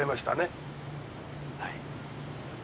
はい。